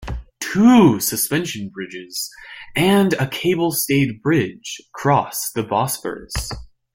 Two suspension bridges and a cable-stayed bridge cross the Bosphorus.